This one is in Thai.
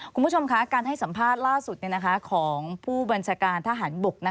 คุณผู้ชมคะการให้สัมภาษณ์ล่าสุดของผู้บัญชาการทหารบก